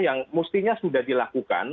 yang mestinya sudah dilakukan